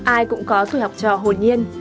ai cũng có tuổi học trò hồn nhiên